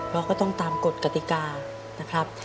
เราก็ต้องตามกฎกติกานะครับ